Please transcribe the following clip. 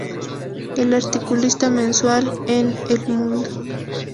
Es articulista mensual en "El Mundo".